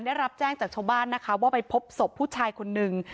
ได้รับแจ้งจากชาวบ้านนะคะว่าไปพบศพผู้ชายคนนึง